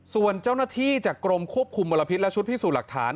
ส่วนเจ้าหน้าที่จากกรมควบคุมมลพิษและชุดพิสูจน์หลักฐาน